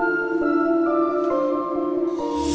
saya akan mengambil alih